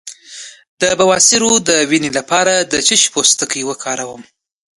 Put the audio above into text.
د بواسیر د وینې لپاره د څه شي پوستکی وکاروم؟